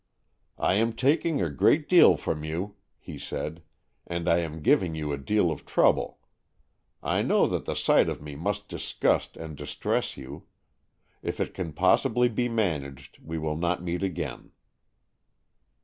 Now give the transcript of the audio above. " I am taking a great deal from you," he said, " and I am giving you a deal of trouble. I know that the sight of me must disgust and distress you. If it can possibly be managed, we will not meet again."